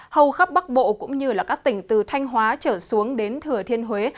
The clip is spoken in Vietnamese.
hầu khắp bắc bộ cũng như các tỉnh từ thanh hóa trở xuống đến thừa thiên huế